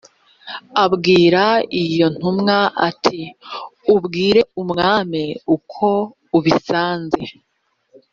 abwira iyo ntumwa ati “ubwire umwami uko ubisanze”